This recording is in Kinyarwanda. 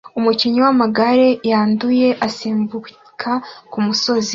Umukinnyi wamagare yanduye asimbuka kumusozi